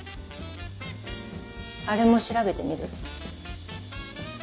あれも調べてみる？